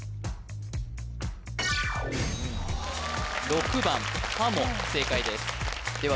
６番はも正解ですでは